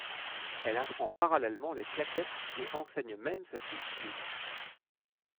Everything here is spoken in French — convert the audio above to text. Elle apprend parallèlement les claquettes et enseigne même cette discipline.